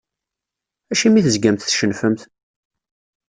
Acimi tezgamt tcennfemt?